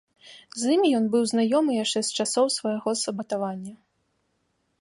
З імі ён быў знаёмы яшчэ з часоў свайго сабатавання.